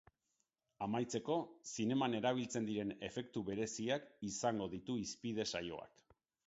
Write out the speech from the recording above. Amaitzeko, zineman erabiltzen diren efektu bereziak izango ditu hizpide saioak.